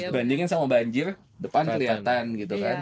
bandingin sama banjir depan kelihatan gitu kan